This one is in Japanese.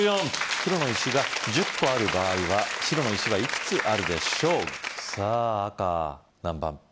黒の石が１０個ある場合は白の石はいくつあるでしょうさぁ赤何番？